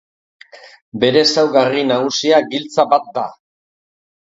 Bere ezaugarri nagusia, giltza bat da.